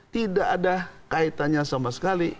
tidak ada kaitannya sama sekali